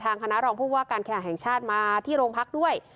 คณะรองผู้ว่าการแข่งแห่งชาติมาที่โรงพักด้วย